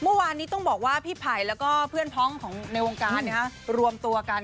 เมื่อวานนี้ต้องบอกว่าพี่ไผ่แล้วก็เพื่อนพ้องของในวงการรวมตัวกัน